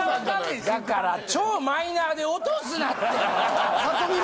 だから超マイナーで落とすなって！